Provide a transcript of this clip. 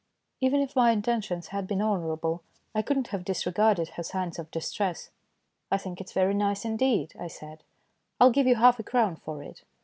Even if my intentions had been honourable I could not have disregarded her signs of dis tress. "I think it's very nice indeed," I said ;" I'll give you half a crown for it."